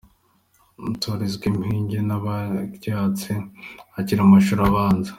Aratozwa impigi n’akayihatse akiri mu mashuli abanza.